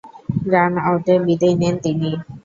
Run আউটে বিদেয় নেন তিনি।